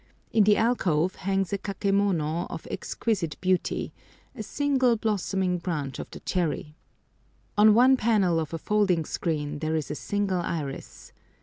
In the alcove hangs a kakemono of exquisite beauty, a single blossoming branch of the cherry. On one panel of a folding screen there is a single iris.